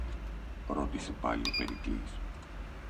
ρώτησε πάλι ο Περικλής